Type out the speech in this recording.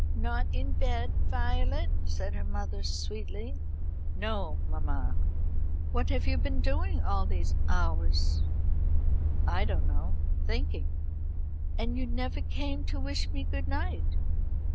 "Not in bed, Violet?" said her mother sweetly. "No, mamma." "What have you been doing all these hours?" "I don't know thinking," "And you never came to wish me good night."